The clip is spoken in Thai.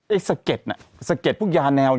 ไอ้สเก็ตน่ะสเก็ตพวกยาแนว